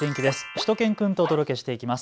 しゅと犬くんとお届けしていきます。